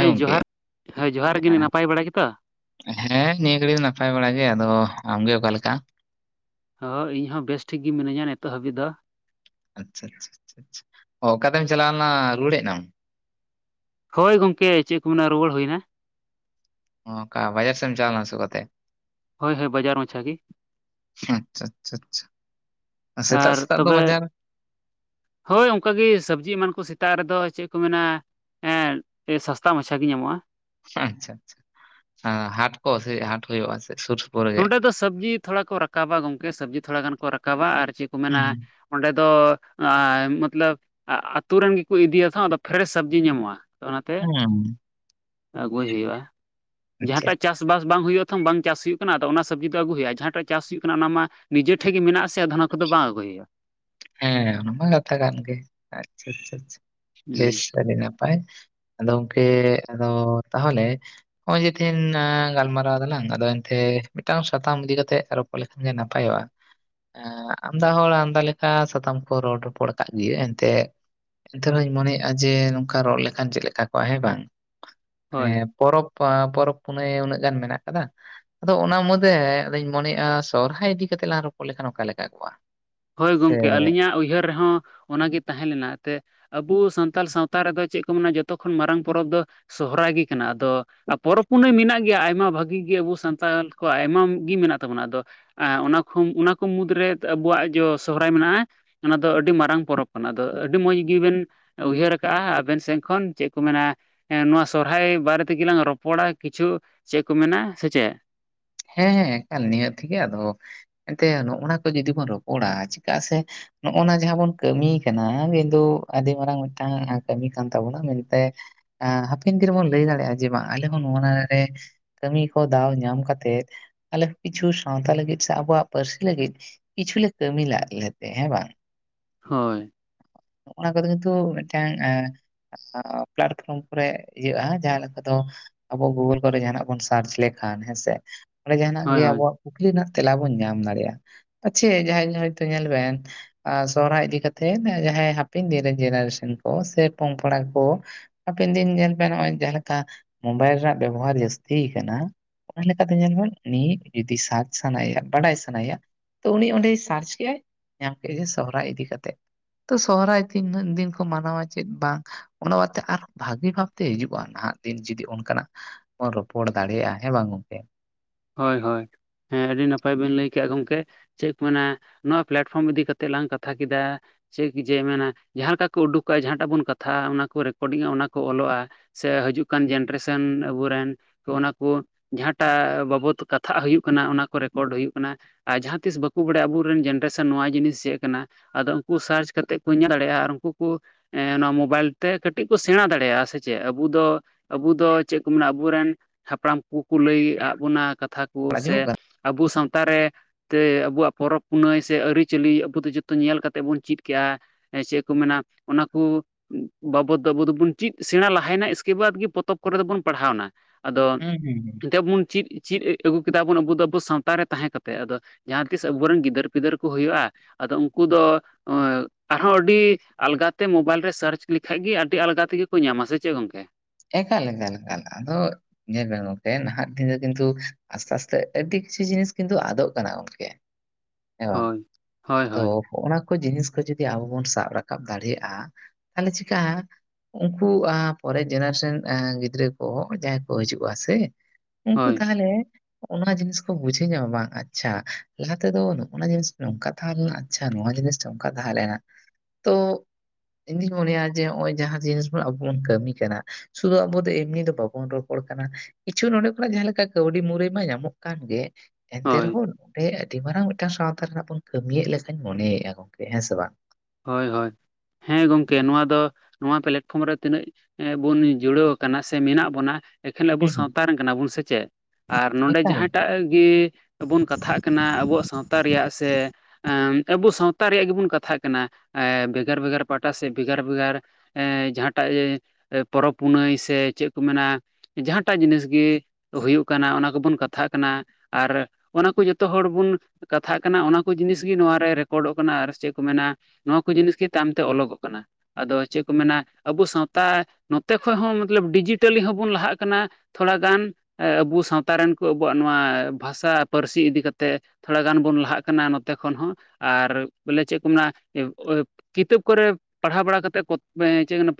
ᱦᱮᱸ ᱡᱚᱦᱟᱨ ᱦᱮᱸ ᱡᱚᱦᱟᱨ ᱜᱮ ᱱᱟᱯᱟᱭ ᱵᱟᱲᱟ ᱜᱮᱛᱚ? ᱦᱮᱸ ᱱᱤᱭᱟᱹ ᱜᱷᱟᱹᱲᱤᱡ ᱫᱚ ᱱᱟᱯᱟᱭ ᱵᱟᱲᱟ ᱜᱮ ᱟᱫᱚ ᱟᱢᱜᱮ ᱚᱠᱟ ᱞᱮᱠᱟ? ᱚ ᱤᱧ ᱦᱚᱸ ᱵᱮᱥ ᱴᱷᱤᱠ ᱜᱮ ᱢᱤᱱᱟᱹᱧᱟ ᱱᱤᱛᱚᱜ ᱦᱟᱹᱵᱤᱡ ᱫᱚ ᱾ ᱟᱪᱪᱷᱟ ᱟᱪᱷᱟ ᱟᱪᱷᱟ ᱟᱪᱷᱟ ᱾ ᱚ ᱚᱠᱟᱛᱮᱢ ᱪᱟᱞᱟᱣ ᱞᱮᱱᱟ ᱨᱩᱣᱟᱹᱲ ᱦᱮᱡ ᱮᱱᱟᱢ? ᱦᱳᱭ ᱜᱚᱝᱠᱮ ᱾ ᱪᱮᱫ ᱠᱚ ᱢᱮᱱᱟ ᱨᱩᱣᱟᱹᱲ ᱦᱩᱭᱮᱱᱟ ᱾ ᱚᱠᱟ ᱵᱟᱹᱭᱦᱟᱲ ᱥᱮᱫ ᱮᱢ ᱪᱟᱞᱟᱣ ᱞᱮᱱᱟ ᱥᱮ ᱚᱠᱟᱛᱮ? ᱦᱳᱭ ᱦᱳᱭ ᱵᱟᱡᱟᱨ ᱢᱟᱪᱷᱟ ᱜᱮ ᱟᱪᱪᱷᱟ ᱟᱪᱪᱷᱟ ᱟᱪᱪᱷᱟ ᱾ ᱥᱮᱛᱟᱜ ᱟᱨ ᱥᱮᱛᱟᱜ ᱫᱚ ᱛᱚᱵᱮ ᱵᱟᱡᱟᱨ ᱦᱳᱭ ᱚᱱᱠᱟ ᱜᱮ ᱥᱚᱵᱽᱡᱤ ᱮᱢᱟᱱ ᱠᱚ ᱥᱮᱛᱟᱜ ᱨᱮᱫᱚ ᱪᱮᱫ ᱠᱚ ᱢᱮᱱᱟ ᱦᱮᱸ ᱥᱚᱥᱛᱟ ᱢᱟᱪᱷᱟ ᱜᱮ ᱧᱟᱢᱚᱜ-ᱟ ᱾ ᱟᱪᱪᱷᱟ ᱟᱪᱪᱷᱟ ᱟᱪᱷᱟ ᱾ ᱦᱟᱴ ᱠᱚ ᱥᱮ ᱦᱟᱴ ᱦᱩᱭᱩᱜ-ᱟ ᱥᱮ ᱥᱩᱨ ᱥᱩᱯᱩᱨ ᱨᱮᱜᱮ? ᱱᱚᱸᱰᱮ ᱫᱚ ᱥᱚᱵᱽᱡᱤ ᱛᱷᱚᱲᱟ ᱠᱚ ᱨᱟᱠᱟᱵᱟ ᱜᱚᱢᱠᱮ ᱥᱚᱵᱽᱡᱤ ᱛᱷᱚᱲᱟ ᱜᱟᱱ ᱠᱚ ᱨᱟᱠᱟᱵᱟ ᱟᱨ ᱪᱮᱫ ᱠᱚ ᱦᱩᱸ ᱢᱮᱱᱟ ᱚᱸᱰᱮ ᱫᱚ ᱢᱚᱛᱞᱚᱵ ᱟᱛᱩ ᱨᱮᱱ ᱜᱮᱠᱚ ᱤᱫᱤᱭᱟᱛᱚ ᱟᱫᱚ ᱯᱷᱨᱮᱥ ᱥᱚᱵᱽᱡᱤ ᱧᱟᱢᱚᱜ-ᱟ᱾ ᱛᱚ ᱚᱱᱟᱛᱮ ᱦᱩᱸ ᱟᱹᱜᱩᱭ ᱦᱩᱭᱩᱜ-ᱟ ᱟᱪᱪᱷᱟ ᱟᱪᱪᱷᱟ᱾ ᱡᱟᱦᱟᱸᱴᱟᱜ ᱪᱟᱥ ᱪᱟᱥᱵᱟᱥ ᱵᱟᱝ ᱦᱩᱭᱩᱜᱼᱟ ᱛᱷᱚᱝ ᱵᱟᱝ ᱪᱟᱥ ᱦᱩᱭᱩᱜ ᱠᱟᱱᱟ ᱟᱫᱚ ᱚᱱᱟ ᱥᱚᱵᱽᱡᱤ ᱫᱚ ᱟᱹᱜᱩ ᱦᱩᱭᱩᱜ-ᱟ ᱡᱟᱦᱟᱸ ᱴᱟᱜ ᱪᱟᱥ ᱦᱩᱭᱩᱜ ᱠᱟᱱᱟ ᱚᱱᱟ ᱢᱟ ᱱᱤᱡᱮ ᱴᱷᱮᱡ ᱜᱮ ᱢᱮᱱᱟᱜ ᱥᱮ ᱫᱷᱚᱱᱚ ᱠᱚᱫᱚ ᱵᱟᱝ ᱟᱹᱜᱩᱭ ᱦᱩᱭᱩᱜ-ᱟ᱾ ᱦᱮᱸ ᱚᱱᱟᱢᱟ ᱠᱟᱛᱷᱟ ᱠᱟᱱ ᱜᱮ ᱟᱪᱪᱷᱟ ᱟᱪᱷᱟ ᱦᱩᱸ ᱵᱮᱥ ᱟᱹᱰᱤ ᱱᱟᱯᱟᱭ ᱟᱫᱚ ᱜᱚᱢᱠᱮ ᱟᱫᱚ ᱛᱟᱦᱚᱞᱮ ᱱᱚᱜ-ᱚᱭ ᱡᱮ ᱛᱦᱮᱧ ᱜᱟᱞᱢᱟᱨᱟᱣ ᱫᱟᱞᱟᱝ ᱟᱫᱚ ᱮᱱᱛᱮ ᱢᱤᱫᱴᱟᱝ ᱥᱟᱛᱟᱢ ᱤᱫᱤ ᱠᱟᱛᱮᱜ ᱞᱮᱠᱷᱟᱱ ᱜᱮ ᱱᱟᱯᱟᱭᱚᱜ-ᱟ ᱟᱢᱫᱟ ᱦᱚᱲ ᱟᱢᱫᱟ ᱞᱮᱠᱟ ᱦᱟᱸ ᱥᱟᱛᱟᱢ ᱠᱚ ᱨᱚᱲ ᱨᱚᱯᱚᱲ ᱟᱠᱟᱫ ᱜᱮ ᱮᱱᱛᱮ ᱾ ᱮᱱᱛᱮ ᱨᱮᱦᱚᱸᱧ ᱢᱚᱱᱮᱭᱮᱫ-ᱟ ᱡᱮ ᱱᱚᱝᱠᱟ ᱨᱚᱲ ᱞᱮᱠᱷᱟᱱ ᱪᱮᱫ ᱞᱮᱠᱟ ᱠᱚᱜ-ᱟ ᱦᱮᱸ ᱵᱟᱝ ᱢᱟᱱᱮ ᱦᱳᱭ ᱯᱚᱨᱚᱵᱽ ᱯᱚᱨᱚᱵᱽ ᱯᱩᱱᱟᱹᱭ ᱩᱱᱟᱹᱜ ᱜᱟᱱ ᱢᱮᱱᱟᱜ ᱟᱠᱟᱫᱟ᱾ ᱟᱫᱚ ᱚᱱᱟ ᱢᱩᱫᱫᱮ ᱟᱫᱚᱧ ᱢᱚᱱᱮᱫ-ᱟ ᱥᱚᱦᱦᱟᱭ ᱤᱫᱤ ᱠᱟᱛᱮᱜ ᱞᱟᱝ ᱨᱚᱯᱚᱲ ᱞᱮᱠᱷᱟᱱ ᱚᱠᱟ ᱞᱮᱠᱟᱚᱜᱼᱟ? ᱦᱳᱭ ᱜᱚᱢᱠᱮ ᱟᱹᱞᱤᱧᱟᱜ ᱩᱭᱦᱟᱹᱨ ᱨᱮᱦᱚᱸ ᱚᱱᱟᱜᱮ ᱛᱟᱦᱮᱸ ᱞᱮᱱᱟ ᱮᱱᱛᱮᱫ ᱟᱵᱚ ᱥᱟᱱᱛᱟᱲ ᱥᱟᱶᱛᱟ ᱨᱮᱫᱚ ᱪᱮᱫ ᱠᱚ ᱢᱮᱱᱟ ᱡᱚᱛᱚ ᱠᱷᱚᱱ ᱢᱟᱨᱟᱝ ᱯᱚᱨᱚᱵᱽ ᱫᱚ ᱥᱚᱦᱚᱨᱟᱭ ᱜᱮ ᱠᱟᱱᱟ ᱟᱫᱚ ᱟᱨ ᱯᱚᱨᱚᱵᱽ ᱯᱩᱱᱟᱹᱭ ᱢᱮᱱᱟᱜ ᱜᱮᱭᱟ ᱟᱭᱢᱟ ᱵᱷᱟᱹᱜᱤ ᱜᱮ ᱟᱵᱚ ᱥᱟᱱᱛᱟᱲ ᱠᱚᱣᱟᱜ ᱟᱭᱢᱟ ᱜᱮ ᱢᱮᱱᱟᱜ ᱛᱟᱵᱚᱱᱟ ᱟᱫᱚ ᱚᱱᱟ ᱠᱚ ᱚᱱᱟ ᱠᱚ ᱢᱩᱫᱽᱨᱮ ᱟᱵᱚᱣᱟᱜ ᱡᱚ ᱥᱚᱦᱨᱟᱭ ᱢᱮᱱᱟᱜ-ᱟ᱾ ᱚᱱᱟ ᱫᱚ ᱟᱹᱰᱤ ᱢᱟᱨᱟᱝ ᱯᱚᱨᱚᱵᱽ ᱠᱟᱱᱟ᱾ ᱟᱫᱚ ᱟᱹᱰᱤ ᱢᱚᱸᱡᱽ ᱜᱮᱵᱮᱱ ᱩᱭᱦᱟᱹᱨ ᱟᱠᱟᱟᱜ-ᱟ ᱟᱵᱮᱱ ᱥᱮᱱ ᱠᱷᱚᱱ ᱪᱮᱫ ᱠᱚ ᱢᱮᱱᱟ ᱦᱮᱸ ᱱᱚᱣᱟ ᱥᱚᱨᱦᱟᱭ ᱵᱟᱨᱮ ᱛᱮᱜᱮ ᱞᱟᱝ ᱨᱚᱯᱚᱲᱟ ᱠᱤᱪᱷᱩ ᱪᱮᱫ ᱠᱚ ᱢᱮᱱᱟ ᱥᱮ ᱪᱮᱫ ᱦᱮᱸ ᱦᱮᱸ ᱮᱠᱟᱞ ᱱᱤᱭᱟᱹ ᱛᱷᱮᱜᱮ ᱟᱫᱚ ᱮᱱᱛᱮ ᱱᱚᱜᱼᱱᱟ ᱠᱚ ᱡᱩᱫᱤ ᱵᱚᱱ ᱨᱚᱯᱚᱲᱟ ᱪᱤᱠᱟᱜ ᱥᱮ ᱱᱚᱜᱼ ᱱᱟ ᱡᱟᱦᱟᱸ ᱵᱚᱱ ᱠᱟᱹᱢᱤ ᱠᱟᱱᱟ ᱠᱤᱱᱛᱩ ᱟᱹᱰᱤ ᱢᱟᱨᱟᱝ ᱢᱤᱫᱴᱟᱝ ᱠᱟᱹᱢᱤ ᱠᱟᱱ ᱛᱟᱵᱚᱱᱟ ᱢᱮᱱᱛᱮ ᱦᱟᱯᱮᱱ ᱫᱤᱱᱮ ᱵᱚᱱ ᱞᱟᱹᱭ ᱫᱟᱲᱮᱭᱟᱜ-ᱟ ᱡᱮ ᱵᱟᱝ ᱟᱞᱮ ᱦᱚᱸ ᱱᱚᱣᱟᱨᱮ ᱠᱟᱹᱢᱤ ᱠᱚ ᱫᱟᱣ ᱧᱟᱢ ᱠᱟᱛᱮ ᱟᱞᱮ ᱠᱤᱪᱷᱩ ᱥᱟᱶᱛᱟ ᱞᱟᱹᱜᱤᱫ ᱥᱮ ᱟᱵᱚᱣᱟᱜ ᱯᱟᱹᱨᱥᱤ ᱞᱟᱹᱜᱤᱫ ᱠᱤᱪᱷᱩ ᱞᱮ ᱠᱟᱹᱢᱤ ᱞᱟᱜ ᱞᱮ ᱛᱮ ᱦᱮᱸ ᱵᱟᱝ ᱦᱳᱭ ᱚᱱᱟ ᱠᱚᱫᱚ ᱠᱤᱱᱛᱩ ᱢᱤᱫᱴᱟᱝ ᱯᱞᱟᱴᱯᱷᱨᱚᱢ ᱠᱚᱨᱮ ᱤᱭᱟᱹᱜ-ᱟ ᱡᱟᱦᱟᱸ ᱞᱮᱠᱟ ᱫᱚ ᱟᱵᱚ ᱜᱩᱜᱳᱞ ᱠᱚᱨᱮ ᱡᱟᱦᱟᱱᱟᱜ ᱵᱚᱱ ᱥᱟᱨᱪ ᱞᱮᱠᱷᱟᱱ ᱦᱮᱸᱥᱮ ᱚᱸᱰᱮ ᱡᱟᱦᱟᱱᱟᱜ ᱦᱳᱭ ᱜᱮ ᱦᱳᱭ ᱟᱵᱚ ᱠᱩᱠᱞᱤ ᱨᱮᱱᱟᱜ ᱛᱮᱞᱟ ᱵᱚᱱ ᱧᱟᱢ ᱫᱟᱲᱮᱭᱟᱜᱼᱟ᱾ ᱟᱪᱪᱷᱮ ᱡᱟᱦᱟᱸᱭ ᱦᱚᱭᱛᱚ ᱧᱮᱞ ᱵᱮᱱ ᱥᱚᱨᱦᱟᱭ ᱤᱫᱤᱠᱟ ᱠᱟᱛᱮᱜ ᱡᱟᱦᱟᱸᱭ ᱦᱟᱯᱮ ᱫᱮ ᱡᱮᱱᱟᱨᱮᱥᱚᱱ ᱠᱚ ᱥᱮ ᱯᱚᱢᱯᱚᱲᱟ ᱠᱚ ᱦᱟᱯᱮᱱ ᱫᱤᱱ ᱧᱮᱞ ᱯᱮ ᱱᱚᱜᱼ ᱡᱟᱦᱟᱸᱮ ᱞᱮᱠᱟ ᱢᱳᱵᱟᱭᱤᱞ ᱨᱮᱱᱟᱜ ᱵᱮᱵᱚᱦᱟᱨ ᱡᱟᱹᱥᱛᱤ ᱠᱟᱱᱟ ᱚᱱᱟ ᱞᱮᱠᱟᱛᱮ ᱧᱮᱞᱢᱮᱱ ᱱᱤᱫ ᱡᱩᱫᱤ ᱥᱟᱡᱽ ᱥᱟᱱᱟᱭᱮᱭᱟ ᱵᱟᱰᱟᱭ ᱥᱟᱱᱟᱭᱮᱭᱟ ᱛᱚ ᱩᱱᱤ ᱚᱸᱰᱮᱭ ᱥᱟᱨᱪ ᱠᱮᱫᱟᱭ ᱧᱟᱢ ᱠᱮᱫᱟ ᱥᱚᱦᱨᱟᱭ ᱤᱫᱤ ᱠᱟᱛᱮ ᱥᱚᱨᱦᱟᱭ ᱛᱤᱱ ᱫᱤᱱ ᱠᱚ ᱢᱟᱱᱟᱣᱟ ᱪᱮᱫ ᱵᱟᱝ ᱚᱱᱟ ᱵᱟᱫᱛᱮ ᱟᱨᱦᱚᱸ ᱵᱷᱟᱹᱜᱤ ᱵᱷᱟᱵᱛᱮ ᱦᱤᱡᱩᱜᱼᱟ ᱱᱟᱦᱟᱜ ᱫᱤᱱ ᱡᱩᱫᱤ ᱚᱱᱠᱟᱱᱟᱜ ᱵᱚᱱ ᱨᱚᱯᱚᱲ ᱫᱟᱲᱮᱭᱟᱜᱼᱟ ᱦᱮᱸ ᱵᱟᱝ ᱜᱚᱝᱠᱮ ᱦᱳᱭ ᱦᱳᱭ ᱦᱮᱸ ᱟᱹᱰᱤ ᱱᱟᱯᱟᱭ ᱵᱤᱱ ᱞᱟᱹᱭ ᱠᱮᱫᱮᱜᱼᱟ ᱜᱚᱢᱠᱮ᱾ ᱪᱮᱫ ᱠᱚ ᱢᱮᱱᱟ ᱱᱚᱣᱟ ᱯᱞᱟᱴᱯᱷᱚᱨᱚᱢ ᱤᱫᱤ ᱠᱟᱛᱮᱜ ᱞᱟᱝ ᱠᱟᱛᱷᱟ ᱠᱮᱫᱟ ᱥᱮ ᱡᱮ ᱢᱮᱱᱟ ᱡᱟᱦᱟᱸ ᱞᱮᱠᱟ ᱠᱚ ᱩᱰᱩᱠᱚᱜᱼᱟ ᱡᱟᱦᱟᱸᱴᱟᱜ ᱵᱚᱱ ᱠᱟᱛᱷᱟᱜᱼᱟ ᱚᱱᱟ ᱠᱚ ᱨᱮᱠᱚᱨᱰᱤᱝᱼᱟ ᱚᱱᱟ ᱠᱚ ᱚᱞᱚᱜᱼᱟ ᱥᱮ ᱦᱤᱡᱩᱜ ᱠᱟᱱ ᱡᱮᱱᱟᱨᱮᱥᱚᱱ ᱟᱵᱚ ᱨᱮᱱ ᱚᱱᱟ ᱠᱚ ᱡᱟᱦᱟᱸᱴᱟᱜ ᱟᱵᱚ ᱠᱟᱛᱷᱟᱜ ᱦᱩᱭᱩᱜ ᱠᱟᱱᱟ ᱚᱱᱟ ᱠᱚ ᱨᱮᱠᱚᱨᱰ ᱦᱩᱭᱩᱜ ᱠᱟᱱᱟ᱾ ᱟᱨ ᱡᱟᱦᱟᱸ ᱛᱤᱥ ᱵᱟᱠᱚ ᱵᱟᱲᱟᱭᱟ ᱟᱵᱚᱨᱮᱱ ᱡᱮᱱᱟᱨᱮᱥᱚᱱ ᱱᱚᱣᱟ ᱡᱤᱱᱤᱥ ᱪᱮᱫ ᱠᱟᱱᱟ᱾ ᱟᱫᱚ ᱩᱱᱠᱩ ᱥᱟᱨᱪ ᱠᱟᱛᱮᱫ ᱠᱚ ᱧᱮᱞ ᱫᱟᱲᱮᱭᱟᱜᱼᱟ ᱟᱨ ᱩᱱᱠᱩ ᱠᱚ ᱱᱚᱣᱟ ᱢᱳᱵᱟᱭᱤᱞ ᱛᱮ ᱠᱟᱹᱴᱤᱡ ᱠᱚ ᱥᱮᱬᱟ ᱫᱟᱲᱮᱭᱟᱜᱼᱟ ᱥᱮ ᱪᱮᱫ ᱟᱵᱚ ᱫᱚ ᱟᱵᱚ ᱫᱚ ᱪᱮᱫ ᱠᱚ ᱢᱮᱱᱟ ᱟᱵᱚᱨᱮᱱ ᱦᱟᱯᱲᱟᱢ ᱠᱚᱠᱚ ᱞᱟᱹᱭ ᱟᱫ ᱵᱚᱱᱟ ᱠᱟᱛᱷᱟ ᱠᱚ ᱨᱚᱲ ᱥᱮ ᱟᱸᱡᱚᱢᱚᱜ ᱠᱟᱱᱟ? ᱟᱵᱚ ᱥᱟᱶᱛᱟ ᱨᱮ ᱛᱮ ᱟᱵᱚᱣᱟᱜ ᱯᱚᱨᱚᱵᱽ ᱯᱩᱱᱟᱹᱭ ᱥᱮ ᱟᱹᱨᱤᱪᱟᱹᱞᱤ ᱟᱵᱚ ᱫᱚ ᱡᱚᱛᱚ ᱧᱮᱞ ᱠᱟᱛᱮᱜ ᱵᱚᱱ ᱪᱮᱫ ᱠᱮᱜᱼᱟ᱾ ᱪᱮᱫ ᱠᱚ ᱢᱮᱱᱟ ᱚᱱᱟ ᱠᱩ ᱵᱟᱵᱚᱫ ᱫᱚ ᱟᱵᱚ ᱫᱚᱵᱚᱱ ᱪᱤᱫ ᱥᱮᱬᱟ ᱞᱟᱦᱟᱭᱱᱟ ᱤᱥᱠᱮᱵᱟᱫᱽ ᱜᱮ ᱯᱚᱛᱚᱵ ᱠᱚᱨᱮ ᱫᱚᱵᱚᱱ ᱯᱟᱲᱦᱟᱣᱱᱟ᱾ ᱟᱫᱚ ᱦᱩᱸ ᱦᱩᱸ ᱦᱩᱸ ᱫᱮᱵᱚᱱ ᱪᱤᱫ ᱪᱤᱫ ᱟᱹᱜᱩ ᱠᱮᱫᱟ ᱵᱚᱱ ᱟᱵᱩ ᱫᱚ ᱟᱵᱩ ᱥᱟᱶᱛᱟᱨ ᱨᱮ ᱛᱟᱦᱮᱸ ᱠᱟᱛᱮ ᱟᱫᱚ ᱡᱟᱦᱟᱸ ᱛᱤᱥ ᱟᱵᱚᱨᱮᱱ ᱜᱤᱫᱟᱹᱨ ᱯᱤᱫᱟᱹᱨ ᱠᱚ ᱦᱩᱭᱩᱜᱼᱟ᱾ ᱟᱫᱚ ᱩᱱᱠᱩ ᱫᱚ ᱟᱨᱦᱚᱸ ᱟᱹᱰᱤ ᱟᱞᱜᱟᱛᱮ ᱢᱳᱵᱟᱭᱤᱞ ᱨᱮ ᱥᱟᱨᱪ ᱞᱮᱠᱷᱟᱡ ᱜᱮ ᱟᱹᱰᱤ ᱟᱞᱜᱟ ᱛᱮᱜᱮ ᱠᱚ ᱧᱟᱢᱟ ᱥᱮ ᱪᱮᱫ ᱜᱚᱝᱠᱮ ᱮᱠᱟᱞ ᱮᱠᱟᱞ ᱮᱠᱟᱞ ᱟᱫᱚ ᱧᱮᱞ ᱢᱮ ᱜᱚᱝᱠᱮ ᱱᱟᱦᱟᱜ ᱫᱤᱱ ᱫᱚ ᱠᱤᱱᱛᱩ ᱟᱥᱛᱮ ᱟᱥᱛᱮ ᱟᱹᱰᱤ ᱠᱤᱪᱷᱩ ᱡᱤᱱᱤᱥ ᱠᱤᱱᱛᱩ ᱟᱫᱚᱜ ᱠᱟᱱᱟ ᱜᱚᱝᱠᱮ ᱦᱳᱭ [unintelligible] ᱦᱳᱭ ᱟᱫᱚ ᱦᱳᱭ ᱦᱚᱜᱼᱚ ᱱᱟ ᱠᱚ ᱡᱤᱱᱤᱥ ᱠᱚ ᱡᱩᱫᱤ ᱟᱵᱚ ᱵᱚᱱ ᱥᱟᱵ ᱨᱟᱠᱟᱵ ᱫᱟᱲᱮᱭᱟᱜᱼᱟ ᱛᱟᱦᱞᱮ ᱪᱤᱠᱟ ᱩᱱᱠᱩ [unintelligible] ᱯᱚᱨᱮ ᱡᱮᱱᱟᱨᱮᱥᱚᱱ ᱜᱤᱫᱽᱨᱟᱹ ᱠᱚ ᱡᱟᱦᱟᱸᱭ ᱠᱚ ᱦᱤᱡᱩᱜᱼᱟ ᱥᱮ ᱩᱱᱠᱩ ᱦᱳᱭ ᱛᱟᱦᱚᱞᱮ ᱚᱱᱟ ᱡᱤᱱᱤᱥ ᱠᱚ ᱵᱩᱡᱷᱟᱹᱣ ᱧᱟᱢᱟ ᱵᱟᱝ ᱟᱪᱪᱷᱟ ᱞᱟᱦᱟ ᱛᱮᱫᱚ ᱱᱚᱜᱼᱱᱟ ᱡᱤᱱᱤᱥ ᱱᱚᱝᱠᱟ ᱛᱟᱦᱮᱸ ᱞᱮᱱᱟ ᱟᱪᱪᱷᱟ ᱱᱚᱣᱟ ᱡᱤᱱᱤᱥ ᱱᱚᱝᱠᱟ ᱛᱟᱦᱮᱸ ᱞᱮᱱᱟ ᱛᱚ ᱤᱧ ᱫᱩᱧ ᱢᱚᱱᱮᱭᱟ ᱡᱮ ᱱᱚᱜᱚᱭ ᱡᱟᱦᱟᱸ ᱡᱤᱱᱤᱥ ᱵᱚᱱ ᱟᱵᱚ ᱵᱚᱱ ᱠᱟᱹᱢᱤ ᱠᱟᱱᱟ ᱥᱩᱫᱷᱩ ᱟᱵᱚᱫ ᱫᱚ ᱮᱢᱱᱤ ᱫᱚ ᱵᱟᱵᱚᱱ ᱨᱚᱯᱚᱲ ᱠᱟᱱᱟ ᱠᱤᱪᱷᱩ ᱱᱚᱰᱮ ᱠᱷᱚᱱᱟᱜ ᱡᱟᱦᱟᱸ ᱞᱮᱠᱟ ᱠᱟᱹᱣᱰᱤ ᱢᱩᱨᱟᱹᱭ ᱢᱟ ᱧᱟᱢᱚᱜ ᱠᱟᱱ ᱜᱮ ᱮᱱᱛᱮ ᱦᱳᱭ ᱨᱮᱦᱚᱸ ᱱᱚᱸᱰᱮ ᱟᱹᱰᱤ ᱢᱟᱨᱟᱝ ᱢᱤᱫᱴᱟᱱ ᱥᱟᱶᱛᱟ ᱨᱮᱱᱟᱜ ᱵᱚᱱ ᱠᱟᱹᱢᱤᱭᱮᱫ ᱞᱮ ᱞᱮᱠᱟᱧ ᱢᱚᱱᱮᱭᱮᱫᱼᱟ ᱜᱚᱝᱠᱮ ᱦᱮᱸ ᱥᱮ ᱵᱟᱝ ᱦᱳᱭ ᱦᱳᱭ ᱦᱮᱸ ᱜᱚᱢᱠᱮ ᱱᱚᱣᱟ ᱫᱚ ᱱᱚᱣᱟ ᱯᱞᱟᱴᱯᱷᱚᱨᱚᱢ ᱨᱮ ᱛᱤᱱᱟᱹᱜ ᱮᱸ ᱵᱚᱱ ᱡᱩᱲᱟᱹᱣ ᱟᱠᱟᱱᱟ ᱥᱮ ᱢᱮᱱᱟᱜ ᱵᱚᱱᱟ ᱮᱠᱷᱟᱱ ᱟᱵᱚ ᱦᱩᱸ ᱦᱩᱸ ᱥᱟᱶᱛᱟ ᱨᱮᱱ ᱠᱟᱱᱟ ᱵᱚᱱ ᱥᱮᱪᱮᱫ ᱟᱨ ᱱᱚᱰᱮ ᱮᱠᱟᱞ ᱡᱟᱦᱟᱸᱭᱴᱟᱜ ᱜᱮ ᱟᱵᱚᱱ ᱠᱟᱛᱷᱟᱜ ᱠᱟᱱᱟ ᱟᱵᱩᱣᱟᱜ ᱥᱟᱶᱛᱟ ᱨᱮᱭᱟᱜ ᱥᱮ ᱟᱵᱩ ᱥᱟᱶᱛᱟ ᱨᱮᱭᱟᱜ ᱜᱮᱵᱚᱱ ᱠᱟᱛᱷᱟᱜ ᱠᱟᱱᱟ ᱠᱟᱱᱟ ᱮᱸ ᱵᱷᱮᱜᱟᱨ ᱵᱷᱮᱜᱟᱨ ᱯᱟᱦᱴᱟ ᱥᱮ ᱵᱷᱮᱜᱟᱨ ᱵᱷᱮᱜᱟᱨ ᱮ ᱡᱟᱦᱟᱸᱴᱟᱜ ᱯᱚᱨᱚᱵᱽ ᱯᱩᱱᱟᱹᱭ ᱥᱮ ᱪᱮᱫ ᱠᱚ ᱢᱮᱱᱟ ᱡᱟᱦᱟᱸᱴᱟᱜ ᱡᱤᱱᱤᱥ ᱜᱮ ᱦᱩᱭᱩᱜ ᱠᱟᱱᱟ ᱚᱱᱟ ᱠᱚᱵᱚᱱ ᱠᱟᱛᱷᱟᱜ ᱠᱟᱱᱟ ᱟᱨ ᱚᱱᱟ ᱠᱚ ᱡᱚᱛᱚ ᱦᱚᱲ ᱵᱩᱱ ᱠᱟᱛᱷᱟᱜ ᱠᱟᱱᱟ ᱚᱱᱟ ᱠᱚ ᱡᱤᱱᱤᱥ ᱜᱤ ᱱᱚᱣᱟᱨ ᱨᱮ ᱨᱮᱠᱚᱨᱰᱚᱜ ᱠᱟᱱᱟ ᱟᱨ ᱪᱮᱫ ᱠᱚ ᱢᱮᱱᱟ ᱱᱚᱣᱟ ᱠᱚ ᱡᱤᱱᱤᱥ ᱜᱮ ᱛᱟᱭᱚᱢᱛᱮ ᱚᱞᱚᱜᱚᱜ ᱠᱟᱱᱟ ᱟᱫᱚ ᱪᱮᱫ ᱠᱚ ᱢᱮᱱᱟ ᱟᱵᱚ ᱥᱟᱶᱛᱟ ᱱᱚᱛᱮ ᱠᱷᱚᱡ ᱦᱚᱸ ᱢᱚᱛᱞᱚᱵ ᱰᱤᱡᱤᱴᱟᱞᱤ ᱦᱚᱸᱵᱚᱱ ᱞᱟᱦᱟᱜ ᱠᱟᱱᱟ᱾ ᱛᱷᱚᱲᱟᱜᱟᱱ ᱟᱵᱚ ᱥᱟᱶᱛᱟ ᱨᱮᱱ ᱠᱚ ᱟᱵᱚᱣᱟᱜ ᱱᱚᱣᱟ ᱵᱷᱟᱥᱟ ᱯᱟᱹᱨᱥᱤ ᱤᱫᱤ ᱠᱟᱛᱮ ᱛᱷᱚᱲᱟ ᱜᱟᱱ ᱵᱚᱱ ᱞᱟᱦᱟᱜ ᱠᱟᱱᱟ ᱱᱚᱛᱮ ᱠᱷᱚᱱ ᱦᱚᱸ ᱟᱨ ᱵᱚᱞᱮ ᱪᱮᱫ ᱠᱚ ᱢᱮᱱᱟ ᱾ ᱠᱤᱛᱟᱹᱵ ᱠᱚᱨᱮ ᱯᱟᱲᱦᱟᱣ ᱵᱟᱲᱟ ᱠᱟᱛᱮ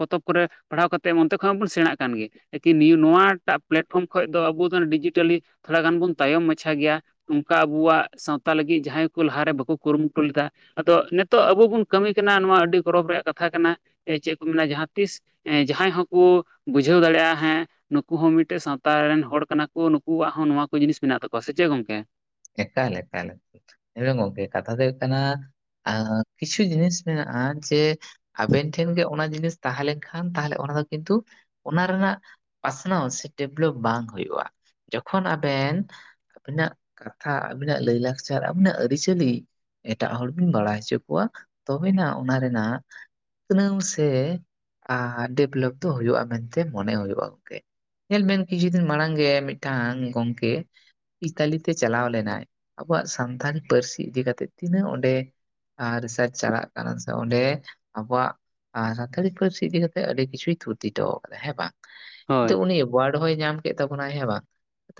ᱯᱚᱛᱚᱵ ᱠᱚᱨᱮ ᱯᱟᱲᱦᱟᱣ ᱠᱟᱛᱮᱫ ᱚᱱᱛᱮ ᱠᱷᱚᱡᱽ ᱵᱚᱱ ᱥᱮᱬᱟᱜ ᱠᱟᱱ ᱜᱮ ᱮᱠᱤ ᱱᱤᱭᱩ ᱱᱚᱣᱟ ᱴᱟᱜ ᱯᱞᱟᱴᱯᱷᱚᱨᱚᱢ ᱠᱷᱚᱱ ᱫᱚ ᱟᱵᱚ ᱫᱚ ᱰᱤᱡᱤᱴᱟᱹᱞᱤ ᱛᱷᱚᱲᱟ ᱜᱟᱱ ᱵᱚᱱ ᱛᱟᱭᱚᱢ ᱢᱟᱪᱷᱟ ᱜᱮᱭᱟ ᱾ ᱚᱱᱠᱟ ᱟᱵᱩᱣᱟᱜ ᱥᱟᱶᱛᱟ ᱞᱟᱹᱜᱤᱫ ᱡᱟᱦᱟᱸᱭ ᱠᱚ ᱞᱟᱦᱟᱨᱮ ᱵᱟᱠᱩ ᱠᱩᱨᱩᱢᱩᱴᱩ ᱞᱮᱫᱟ ᱟᱫᱚ ᱱᱮᱛ ᱛᱚ ᱟᱵᱩ ᱵᱩᱱ ᱠᱟᱹᱢᱤ ᱠᱟᱱᱟ ᱱᱚᱣᱟ ᱟᱹᱰᱤ ᱜᱚᱨᱚᱵᱽ ᱨᱮᱭᱟᱜ ᱠᱟᱛᱷᱟ ᱠᱟᱱᱟ ᱪᱮᱫ ᱠᱚ ᱢᱮᱱᱟ ᱡᱟᱦᱟᱸ ᱛᱤᱥ ᱡᱟᱦᱟᱸᱭ ᱦᱚᱸᱠᱚ ᱵᱩᱡᱷᱟᱹᱣ ᱫᱟᱲᱮᱭᱟᱜᱼᱟ ᱦᱮᱸ ᱾ ᱱᱩᱠᱩ ᱦᱚᱸ ᱢᱤᱫᱴᱮᱱ ᱥᱟᱶᱛᱟ ᱨᱮᱱ ᱦᱚᱲ ᱠᱟᱱᱟ ᱠᱚ ᱱᱩᱠᱩᱣᱟᱜ ᱦᱚᱸ ᱱᱚᱣᱟ ᱠᱚ ᱡᱤᱱᱤᱥ ᱢᱮᱱᱟᱜ ᱛᱟᱠᱚᱣᱟ ᱥᱮ ᱪᱮᱫ ᱜᱚᱝᱠᱮ? ᱮᱠᱟᱞ ᱮᱠᱟᱞ ᱮᱠᱟᱞ ᱧᱮᱞ ᱢᱮ ᱜᱚᱝᱠᱮ ᱠᱟᱛᱷᱟ ᱫᱚ ᱦᱳᱭᱳᱜ ᱠᱟᱱᱟ ᱾ ᱟᱸ ᱠᱤᱪᱷᱩ ᱡᱤᱱᱤᱥ ᱢᱮᱱᱟᱜᱼᱟ ᱡᱮ ᱟᱵᱮᱱ ᱴᱷᱮᱱ ᱜᱮ ᱚᱱᱟ ᱡᱤᱱᱤᱥ ᱛᱟᱦᱮᱸ ᱞᱮᱱᱠᱷᱟᱱ, ᱛᱟᱦᱚᱞᱮ ᱚᱱᱟ ᱫᱚ ᱠᱤᱱᱛᱩ ᱚᱱᱟ ᱨᱮᱱᱟᱜ ᱯᱟᱥᱱᱟᱣ ᱥᱮ ᱰᱮᱵᱷᱞᱚᱯ ᱵᱟᱝ ᱦᱳᱭᱳᱜᱼᱟ ᱡᱚᱠᱷᱚᱱ ᱟᱵᱮᱱ ᱟᱵᱤᱱᱟᱜ ᱠᱟᱛᱷᱟ, ᱟᱵᱤᱱᱟᱜ ᱞᱟᱹᱭ ᱞᱟᱠᱪᱟᱨ, ᱟᱵᱤᱱᱟᱜ ᱟᱹᱨᱤᱪᱟᱹᱞᱤ, ᱮᱴᱟᱜ ᱦᱚᱲ ᱵᱤᱱ ᱵᱟᱲᱟᱭ ᱦᱚᱪᱚ ᱠᱚᱣᱟ ᱛᱚᱵᱮᱱᱟᱜ ᱚᱱᱟ ᱨᱮᱱᱟᱜ ᱩᱛᱱᱟᱹᱣ ᱥᱮ ᱰᱮᱵᱷᱞᱚᱯ ᱫᱚ ᱦᱳᱭᱳᱜᱼᱟ ᱾ ᱢᱮᱱᱛᱮ ᱢᱚᱱᱮ ᱦᱳᱭᱳᱜᱼᱟ ᱜᱚᱢᱠᱮ ᱾ ᱧᱮᱞ ᱵᱮᱱ ᱠᱤᱪᱷᱩ ᱫᱤᱱ ᱢᱟᱲᱟᱝ ᱜᱮ ᱢᱤᱫᱴᱟᱝ ᱜᱚᱝᱠᱮ ᱤᱛᱟᱞᱤ ᱛᱮ ᱪᱟᱞᱟᱣ ᱞᱮᱱᱟᱭ ᱟᱵᱚᱣᱟᱜ ᱥᱟᱱᱛᱟᱲᱤ ᱯᱟᱹᱨᱥᱤ ᱤᱫᱤ ᱠᱟᱛᱮᱫ ᱛᱤᱱᱟᱹᱜ ᱚᱸᱰᱮ ᱨᱤᱥᱟᱪ ᱪᱟᱞᱟᱜ ᱠᱟᱱᱟ, ᱥᱮ ᱚᱸᱰᱮ ᱟᱵᱚᱣᱟᱜ ᱟᱨ ᱥᱟᱱᱛᱟᱲᱤ ᱯᱟᱹᱨᱥᱤ ᱤᱫᱤ ᱠᱟᱛᱮᱜ ᱟᱹᱰᱤ ᱠᱤᱪᱷᱩᱭ ᱛᱷᱩᱛᱤ ᱦᱚᱴᱚ ᱠᱟᱫᱟ ᱦᱮᱸ ᱵᱟᱝ? ᱛᱚ ᱦᱳᱭ ᱩᱱᱤ ᱮᱵᱳᱣᱟᱨᱰ ᱦᱚᱸᱭ ᱧᱟᱢ ᱠᱮᱫ ᱛᱟᱵᱚᱱᱟᱭ ᱦᱮᱸ ᱵᱟᱝ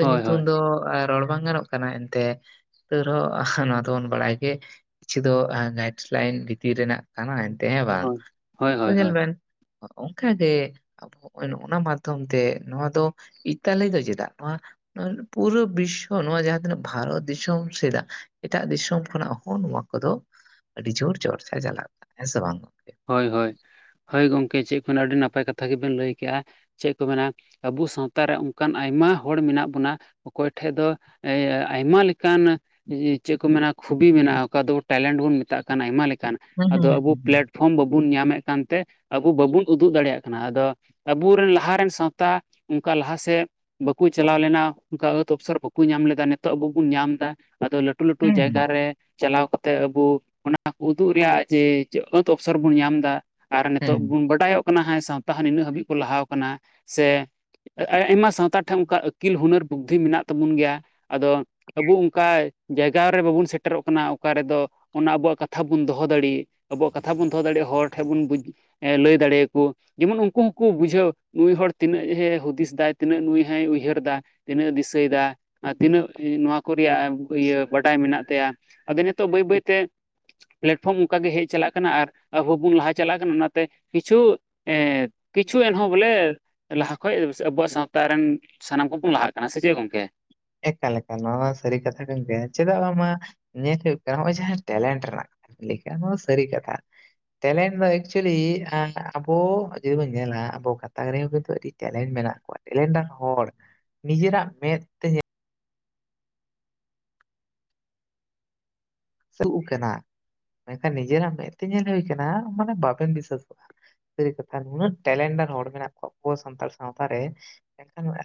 ᱦᱳᱭ ᱦᱳᱭ ᱧᱩᱛᱩᱢ ᱫᱚ ᱵᱟᱝ ᱜᱟᱱᱚᱜ ᱠᱟᱱᱟ ᱮᱱᱛᱮ ᱾ ᱛᱮᱣ ᱨᱮᱦᱚᱸ ᱱᱚᱣᱟ ᱫᱚᱵᱚᱱ ᱵᱟᱲᱟᱭ ᱜᱮ ᱠᱤᱪᱷᱩ ᱫᱚ ᱜᱟᱭᱤᱰ ᱞᱟᱭᱤᱱ ᱵᱷᱤᱛᱤᱨ ᱨᱮᱱᱟᱜ ᱠᱟᱱᱟ ᱮᱱᱛᱮ ᱦᱮᱸ ᱵᱟᱝ ᱦᱳᱭ ᱦᱳᱭ ᱛᱚ ᱦᱳᱭ ᱧᱮᱞ ᱵᱮᱱ ᱚᱱᱠᱟᱜᱮ, ᱱᱚᱜᱼᱭᱚ ᱱᱚᱣᱟ ᱢᱟᱫᱽᱫᱷᱚᱢ ᱛᱮ ᱱᱚᱣᱟ ᱫᱚ ᱤᱛᱟᱞᱤ ᱫᱚ ᱪᱮᱫᱟᱜ ᱱᱚᱣᱟ? ᱱᱚᱣᱟ ᱨᱮ ᱯᱩᱨᱟᱹ ᱵᱤᱥᱚ ᱛᱚ ᱱᱚᱣᱟ ᱡᱟᱦᱟᱸ ᱛᱤᱱᱟᱹᱜ ᱵᱷᱟᱨᱚᱛ ᱫᱤᱥᱚᱢ ᱥᱮᱫᱟᱜ ᱮᱴᱟᱜ ᱫᱤᱥᱚᱢ ᱠᱷᱚᱱᱟᱜ ᱦᱚᱸ ᱱᱚᱣᱟ ᱠᱚᱫᱚ ᱟᱹᱰᱤ ᱡᱳᱨ ᱪᱚᱨᱪᱟ ᱪᱟᱞᱟᱜ ᱠᱟᱱᱟ ᱦᱮᱸ ᱥᱮ ᱵᱟᱝ ᱜᱚᱝᱠᱮ? ᱦᱚᱭ ᱦᱚᱭ ᱦᱳᱭ ᱜᱚᱝᱠᱮ ᱪᱮᱜ ᱠᱚ ᱢᱮᱱᱟ ᱟᱹᱰᱤ ᱱᱟᱯᱟᱭ ᱠᱟᱛᱷᱟ ᱜᱤᱵᱮᱱ ᱞᱟᱹᱭ ᱠᱮᱜ-ᱟ ᱾ ᱪᱮᱜ ᱠᱚ ᱢᱮᱱᱟ ᱟᱹᱵᱩ ᱥᱟᱶᱛᱟ ᱨᱮ ᱚᱱᱠᱟᱱ ᱟᱭᱢᱟ ᱦᱚᱲ ᱢᱤᱱᱟᱜ ᱵᱚᱱᱟ ᱾ ᱚᱠᱚᱭ ᱴᱷᱮᱡᱽ ᱫᱚ ᱮ ᱟᱭᱢᱟ ᱞᱮᱠᱟᱱ ᱤ ᱪᱮᱜ ᱠᱚ ᱢᱮᱱᱟ ᱠᱷᱩᱵᱤ ᱢᱮᱱᱟᱜᱼᱟ ᱚᱠᱟ ᱫᱚ ᱴᱮᱞᱮᱱᱴ ᱵᱩᱱ ᱢᱮᱛᱟᱜ ᱠᱟᱱᱟ ᱟᱭᱢᱟ ᱞᱮᱠᱟᱱ ᱦᱩᱸ ᱟᱫᱚ ᱦᱩᱸ ᱟᱹᱵᱩ ᱦᱩᱸ ᱯᱮᱞᱮᱴ ᱯᱷᱨᱚᱢ ᱵᱟᱹᱵᱩᱱ ᱧᱟᱢᱮᱜ ᱠᱟᱱᱛᱮ ᱟᱹᱵᱩ ᱵᱟᱹᱵᱩᱱ ᱩᱫᱩᱜ ᱫᱟᱲᱮᱭᱟᱜ ᱠᱟᱱᱟ ᱟᱫᱚ ᱟᱵᱩ ᱨᱮᱱ ᱞᱟᱦᱟ ᱨᱮᱱ ᱥᱟᱶᱛᱟ ᱚᱱᱠᱟ ᱞᱟᱦᱟ ᱥᱮᱫ ᱵᱟᱹᱠᱩ ᱪᱟᱞᱟᱣ ᱞᱮᱱᱟ ᱚᱱᱠᱟ ᱟᱹᱛ ᱚᱯᱥᱚᱨ ᱵᱟᱹᱠᱩ ᱧᱟᱢ ᱞᱮᱫᱟ ᱱᱤᱛᱚᱜ ᱟᱹᱵᱩ ᱵᱩᱱ ᱧᱟᱢ ᱫᱟ ᱟᱫᱚ ᱞᱟᱹᱴ ᱞᱟᱹᱴᱩ ᱞᱟᱹᱴᱩ ᱦᱩᱸ ᱦᱩᱸ ᱡᱟᱭᱜᱟ ᱦᱩᱸ ᱨᱮ ᱪᱟᱞᱟᱣ ᱠᱟᱛᱮᱜ ᱟᱹᱵᱩ ᱚᱱᱟ ᱠᱩ ᱩᱫᱩᱜ ᱨᱮᱭᱟᱜ ᱡᱮ ᱟᱺᱠᱷ ᱛᱚ ᱚᱯᱥᱚᱨ ᱵᱩᱱ ᱧᱟᱢ ᱫᱟ ᱟᱨ ᱦᱩᱸ ᱱᱤᱛᱚᱜ ᱵᱩᱱ ᱵᱟᱰᱟᱭᱚᱜ ᱠᱟᱱᱟ ᱦᱮᱸ ᱥᱟᱶᱛᱟ ᱦᱚᱸ ᱱᱤᱱᱟᱹᱜ ᱦᱟᱹᱵᱤᱜ ᱠᱚ ᱞᱟᱦᱟᱣ ᱠᱟᱱᱟ ᱥᱮ ᱮᱸ ᱟ ᱟᱭᱢᱟ ᱥᱟᱶᱛᱟ ᱴᱷᱮᱱ ᱚᱱᱠᱟ ᱟᱹᱠᱤᱞ ᱦᱩᱱᱟᱹᱨ ᱵᱩᱫᱽᱫᱷᱤ ᱢᱮᱱᱟᱜ ᱛᱟᱹᱵᱩᱱ ᱜᱮᱭᱟ ᱟᱫᱚ ᱟᱹᱵᱩ ᱩᱱᱠᱟ ᱡᱟᱭᱜᱟ ᱨᱮ ᱵᱟᱹᱵᱩᱱ ᱥᱮᱴᱮᱨᱚᱜ ᱠᱟᱱᱟ ᱚᱠᱟ ᱨᱮᱫᱚ ᱚᱱᱟ ᱟᱹᱵᱩᱣᱟᱜ ᱠᱟᱛᱷᱟ ᱵᱩᱱ ᱫᱚᱦᱚ ᱫᱟᱹᱲᱤᱜ ᱾ ᱠᱟᱛᱷᱟ ᱵᱩᱱ ᱫᱚᱦᱚ ᱫᱟᱲᱤᱜ ᱦᱚᱲ ᱴᱷᱮᱡ ᱵᱩᱱ ᱵᱩᱡ ᱮ ᱞᱟᱹᱭ ᱫᱟᱲᱮᱭ ᱟᱠᱩ ᱾ ᱡᱮᱢᱚᱱ ᱩᱱᱠᱩ ᱦᱩᱸᱠᱩ ᱵᱩᱡᱷᱟᱹᱣ ᱱᱩᱭ ᱦᱚᱲ ᱛᱤᱱᱟᱹᱜ ᱮ ᱦᱩᱫᱤᱥ ᱫᱟᱭ ᱛᱤᱱᱟᱹᱜ ᱱᱩᱭ ᱦᱚᱸᱭ ᱩᱭᱦᱟᱹᱨ ᱮᱫᱟ ᱾ ᱛᱤᱱᱟᱹᱜ ᱮ ᱫᱤᱥᱟᱹᱭ ᱮᱫᱟ ᱟᱨ ᱛᱤᱱᱟᱹᱜ ᱤ ᱱᱚᱣᱟ ᱠᱩ ᱨᱮᱭᱟᱜ ᱮ ᱤᱭᱟᱹ ᱵᱟᱰᱟᱭ ᱢᱤᱱᱟᱜ ᱛᱟᱭᱟ ᱾ ᱟᱫᱚ ᱱᱤᱛᱚᱜ ᱵᱟᱹᱭ ᱵᱟᱹᱭ ᱛᱮ ᱯᱞᱮᱴᱯᱷᱨᱚᱢ ᱚᱱᱠᱟ ᱜᱮ ᱦᱮᱡ ᱪᱟᱞᱟᱜ ᱠᱟᱱᱟ ᱟᱨ ᱟᱹᱵᱩ ᱵᱚᱱ ᱞᱟᱦᱟ ᱪᱟᱞᱟᱜ ᱠᱟᱱᱟ ᱚᱱᱟᱛᱮ ᱠᱤᱪᱷᱩ ᱮ ᱠᱤᱪᱷᱩ ᱮᱱᱦᱚᱸ ᱵᱚᱞᱮ ᱞᱟᱦᱟ ᱠᱷᱚᱡᱽ ᱟᱹᱵᱩᱣᱟᱜ ᱥᱟᱶᱛᱟ ᱨᱮᱱ ᱥᱟᱱᱟᱢ ᱠᱚᱵᱩᱱ ᱞᱟᱦᱟᱜ ᱠᱟᱱᱟ ᱥᱮ ᱪᱮᱜ ᱜᱚᱝᱠᱮ? ᱮᱠᱟᱞ ᱮᱠᱟᱞ ᱱᱚᱣᱟ ᱢᱟ‌ ᱥᱟᱹᱨᱤ ᱠᱟᱛᱷᱟ ᱠᱟᱱ ᱜᱮᱭᱟ ᱪᱮᱫᱟᱜ ᱵᱟᱝᱢᱟ ᱧᱮᱞ ᱦᱩᱭᱩᱜ ᱠᱟᱱᱟ ᱱᱚᱜ-ᱚᱭ ᱡᱟᱦᱟᱸ ᱴᱮᱞᱮᱱᱴ ᱨᱮᱱᱟᱜ ᱞᱮᱠᱟ ᱱᱚᱣᱟ ᱥᱟᱹᱨᱤ ᱠᱟᱛᱷᱟ ᱾ ᱴᱮᱞᱮᱱᱴ ᱫᱚ ᱮᱠᱪᱩᱞᱤ ᱟᱸ ᱟᱵᱚ ᱡᱩᱫᱤ ᱵᱚᱱ ᱧᱮᱞᱟ ᱟᱵᱚ ᱜᱷᱟᱸᱛᱟᱠ ᱨᱮᱦᱚ ᱠᱤᱱᱛᱩ ᱟᱹᱰᱤ ᱴᱮᱞᱮᱱᱴ ᱢᱮᱱᱟᱜ ᱠᱚᱣᱟ ᱴᱮᱞᱮᱱ ᱰᱟᱨ ᱨᱮᱱ ᱦᱚᱲ ᱱᱤᱡᱮᱨᱟᱜ ᱢᱮᱸᱫ ᱛᱮ ᱧᱮᱞ ᱥᱮ ᱟᱹᱩᱜ ᱠᱟᱱᱟ ᱢᱮᱱᱠᱷᱟᱱ ᱱᱤᱡᱮᱨᱟᱜ ᱢᱮᱸᱫ ᱛᱮ ᱧᱮᱞ ᱦᱩᱭ ᱠᱟᱱᱟ ᱢᱟᱱᱮ ᱵᱟᱵᱮᱱ ᱵᱤᱥᱟᱹᱥᱚᱜ-ᱟ ᱾ ᱥᱟᱹᱨᱤ ᱠᱟᱛᱷᱟ ᱱᱩᱱᱟᱹᱜ ᱴᱮᱞᱮᱱᱰᱟᱨ ᱦᱚᱲ ᱢᱮᱱᱟᱜ ᱠᱚᱣᱟ ᱟᱵᱚ ᱥᱟᱱᱛᱟᱲ ᱥᱟᱶᱛᱟ ᱨᱮᱼᱼ ᱢᱮᱱᱠᱷᱟᱱ ᱮᱸᱼᱼ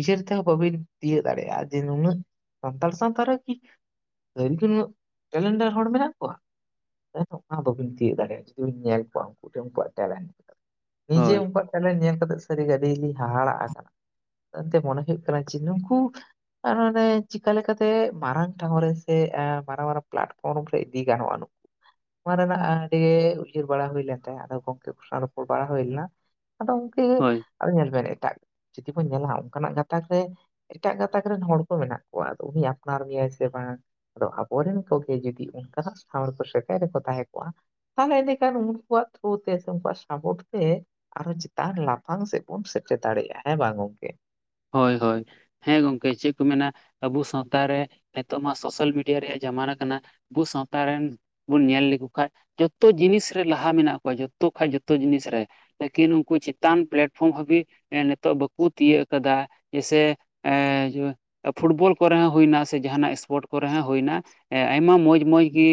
ᱩᱭᱦᱟᱹᱨ ᱛᱮᱦᱚᱸ ᱵᱟᱹᱵᱤᱱ ᱛᱤᱭᱟᱹᱜ ᱫᱟᱲᱮᱭᱟᱜ-ᱟ ᱡᱮ ᱱᱩᱱᱟᱹᱜ ᱥᱟᱱᱛᱟᱲ ᱥᱟᱶᱛᱟ ᱨᱮ ᱠᱤᱼᱼ ᱥᱟᱹᱨᱤ ᱜᱮ ᱱᱩᱱᱟᱹᱜ ᱴᱮᱞᱮᱱᱰᱟᱨ ᱦᱚᱲ ᱢᱮᱱᱟᱜ ᱠᱚᱣᱟ᱾ ᱮᱱ ᱦᱚᱸ ᱫᱚ ᱵᱟᱹᱵᱤᱱ ᱛᱤᱭᱟᱹᱜ ᱫᱟᱲᱮᱭᱟᱜ-ᱟ ᱡᱩᱫᱤ ᱵᱮᱱ ᱧᱮᱞ ᱠᱚᱣᱟ ᱩᱱᱠᱩ ᱴᱷᱮᱱ ᱩᱱᱠᱩᱣᱟᱜ ᱴᱮᱞᱮᱱᱴ ᱱᱤᱡᱮ ᱦᱳᱭ ᱩᱱᱠᱩᱣᱟᱜ ᱴᱮᱞᱮᱱᱴ‌ ᱧᱮᱞ ᱠᱟᱛᱮᱜ ᱥᱟᱹᱨᱤ ᱜᱮ ‌ᱟᱹᱰᱤ ᱞᱤᱧ ᱦᱟᱦᱟᱲᱟᱜ ᱟᱠᱟᱱᱟ᱾ ᱛᱟ ᱮᱱᱛᱮ ᱢᱚᱱᱮ ᱦᱩᱭᱩᱜ ᱠᱟᱱᱟ ᱡᱮ ᱱᱩᱝᱠᱩ ᱟᱨ ᱢᱟᱱᱮ ᱪᱮᱠᱟ ᱞᱮᱠᱟ ᱛᱮ ᱢᱟᱨᱟᱝ ᱴᱷᱟᱶ ᱨᱮᱼᱼ ᱥᱮ ᱮ ᱢᱟᱨᱟᱝ ᱢᱟᱨᱟᱝ ᱯᱞᱟᱴᱯᱷᱚᱨᱢ ᱨᱮ ᱤᱫᱤ ᱜᱟᱱᱚᱜ-ᱟ ᱱᱩᱠᱼᱼ ᱱᱚᱶᱟ ᱨᱮᱱᱟᱜ ᱟᱹᱰᱤ ᱩᱭᱦᱟᱹᱨ ᱵᱟᱲᱟ ᱦᱩᱭ ᱞᱮᱱ ᱛᱟᱦᱮᱸᱜ ᱟᱫᱚ ᱜᱚᱝᱠᱮ ᱠᱚ ᱥᱟᱝ ᱨᱚᱯᱚᱲ ᱵᱟᱲᱟ ᱦᱩᱭ ᱞᱮᱱᱟ᱾ ᱟᱫᱚ ᱜᱚᱝᱠᱮ ᱦᱳᱭ ᱟᱫᱚ ᱧᱮᱞ ᱵᱮᱱ ᱮᱴᱟᱜ ᱡᱩᱫᱤ ᱵᱚᱱ ᱧᱮᱞᱟ ᱦᱟᱸᱜ ᱚᱱᱠᱟ ᱱᱟᱜ ᱜᱟᱸᱛᱟᱠ ᱨᱮᱼᱼ ᱮᱴᱟᱜ ᱜᱟᱸᱛᱟᱠ ᱨᱮᱱ ᱦᱚᱲ ᱠᱚ ᱢᱮᱱᱟᱜ ᱠᱚᱣᱟ ᱟᱫᱚ ᱩᱱᱤᱭ ᱟᱯᱱᱟᱨ ᱢᱮᱭᱟᱭ ᱥᱮ ᱵᱟᱝ᱾ ᱟᱫᱚ ᱟᱵᱚᱨᱮᱱ ᱠᱚᱜᱮ ᱡᱩᱫᱤ ᱚᱱᱠᱟ ᱱᱟᱜ ᱴᱷᱟᱶ ᱨᱮᱠᱚ ᱥᱮᱴᱮᱨ ᱠᱚ ᱛᱟᱦᱮᱸ ᱠᱚᱜ-ᱟᱼᱼ ᱛᱟᱦᱚᱞᱮ ᱮᱱᱰᱮᱠᱷᱟᱱ ᱩᱱᱠᱩᱣᱟᱜ ᱛᱷᱨᱩ ᱛᱮ ᱥᱮ ᱩᱱᱠᱩᱣᱟᱜ ᱥᱟᱯᱚᱴ ᱛᱮᱼᱼ ᱟᱨᱚ ᱪᱮᱛᱟᱱ ᱞᱟᱯᱷᱟᱝ ᱥᱮᱜ ᱵᱚᱱ ᱥᱮᱴᱮᱨ ᱫᱟᱲᱮᱭᱟᱜ- ᱟ ᱦᱮᱸ ᱵᱟᱝ ᱜᱚᱝᱠᱮ᱾ ᱦᱚᱭ ᱦᱚᱭ᱾ ᱦᱮᱸ ᱜᱚᱝᱠᱮ ᱪᱮᱜ ᱠᱩ ᱢᱮᱱᱟ ᱟᱹᱵᱚ ᱥᱟᱶᱛᱟ ᱨᱮ ᱱᱤᱛᱚᱜ ᱢᱟ ᱥᱳᱥᱟᱞ ᱢᱤᱰᱤᱭᱟ ᱨᱮᱭᱟᱜ ᱡᱟᱢᱟᱱᱟ ᱠᱟᱱᱟᱼᱼ ᱟᱹᱵᱩ ᱥᱟᱶᱛᱟ ᱨᱮᱱᱼᱼ ᱵᱩᱱ ᱧᱮᱞ ᱞᱮᱠᱩ ᱠᱷᱟᱡ ᱡᱚᱛᱚ ᱡᱤᱱᱤᱥ ᱨᱮ ᱞᱟᱦᱟ ᱢᱮᱱᱟᱜ ᱠᱩᱣᱟ ᱡᱚᱛᱚ ᱠᱷᱟᱡ ᱡᱚᱛᱚ ᱡᱤᱱᱤᱥ ᱨᱮ᱾ ᱞᱮᱠᱤᱱ ᱩᱱᱠᱩ ᱪᱮᱛᱟᱱ ᱯᱮᱞᱮᱴᱯᱷᱨᱚᱢ ᱦᱟᱹᱵᱤᱡ ᱱᱤᱛᱚᱜ ᱵᱹᱟᱠᱩ ᱛᱤᱭᱟᱹᱜᱼᱼ ᱠᱟᱫᱟ ᱡᱮᱭ ᱥᱮ ᱮ ᱤᱭᱟᱹᱼᱼ ᱯᱷᱩᱴᱵᱚᱞ ᱠᱚᱨᱮ ᱦᱚᱸ ᱦᱩᱭᱱᱟ ᱥᱮ ᱡᱟᱦᱟᱸ ᱱᱟᱜ ᱥᱯᱚᱨᱴ ᱠᱚᱨᱮ ᱦᱚᱸ ᱦᱩᱭᱱᱟ ᱮ ᱟᱭᱢᱟ ᱢᱚᱸᱡᱽ ᱢᱚᱸᱡᱽ ᱜᱤᱼᱼ